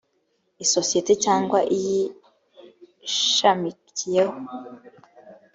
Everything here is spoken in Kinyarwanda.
isosiyete cyangwa iyishamakiyeho